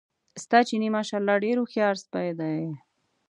ستا چیني ماشاءالله ډېر هوښیار سپی دی.